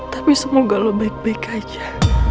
tapi semoga lo baik baik aja